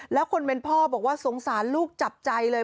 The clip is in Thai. แล้วคนเป็นพ่อบอกว่าสงสารลูกจับใจเลย